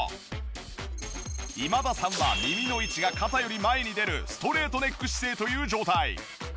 今田さんは耳の位置が肩より前に出るストレートネック姿勢という状態。